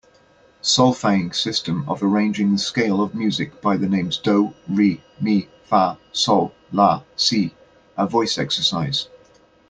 Solfaing system of arranging the scale of music by the names do, re, mi, fa, sol, la, si a voice exercise.